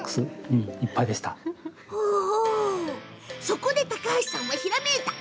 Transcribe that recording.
そこで高橋さんはひらめいた！